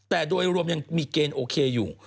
แต่โดยรวมยังมีเกณฑ์โอเคอยู่